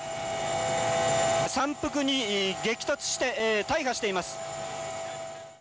山腹に激突して大破しています。